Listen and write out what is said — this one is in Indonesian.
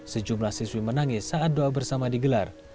sejumlah siswi menangis saat doa bersama digelar